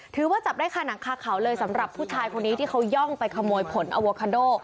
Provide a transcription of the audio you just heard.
ถือว่าจับได้ค่ะหนังคาเขาเลยสำหรับผู้ชายคนนี้ที่เขาย่องไปขโมยผลอโวคาโด